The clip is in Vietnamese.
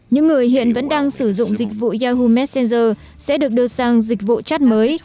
những người hiện vẫn đang sử dụng dịch vụ yahoo messenger sẽ được đưa sang dịch vụ chat mới